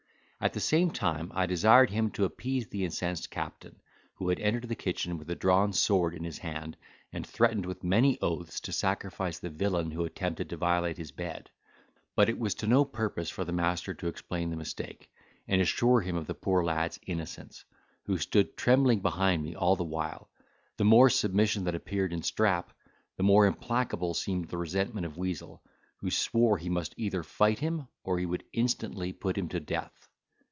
At the same time I desired him to appease the incensed captain, who had entered the kitchen with a drawn sword in his hand, and threatened with many oaths to sacrifice the villain who attempted to violate his bed; but it was to no purpose for the master to explain the mistake, and assure him of the poor lad's innocence, who stood trembling behind me all the while: the more submission that appeared in Strap, the more implacable seemed the resentment of Weazel, who swore he must either fight him or he would instantly put him to death.